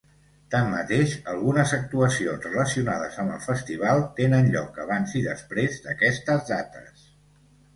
Tanmateix, algunes actuacions relacionades amb el festival tenen lloc abans i després d'aquestes dates.